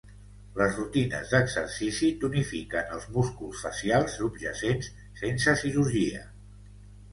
Les rutines d'exercici tonifiquen els músculs facials subjacents sense cirurgia.